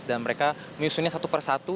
dan mereka menyusunnya satu persatu